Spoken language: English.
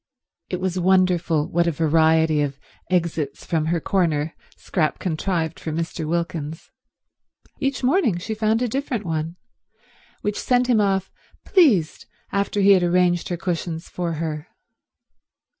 It was wonderful what a variety of exits from her corner Scrap contrived for Mr. Wilkins. Each morning she found a different one, which sent him off pleased after he had arranged her cushions for her.